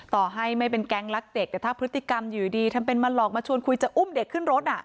ต่อให้ไม่เป็นแก๊งรักเด็กแต่ถ้าพฤติกรรมอยู่ดีทำเป็นมาหลอกมาชวนคุยจะอุ้มเด็กขึ้นรถ